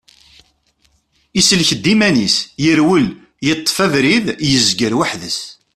Isellek-d iman-is, yerwel, yeṭṭef abrid, yezger weḥd-s.